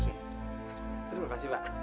terima kasih pak